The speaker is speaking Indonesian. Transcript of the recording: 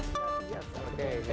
kalian ini tidak dikenal sama sekali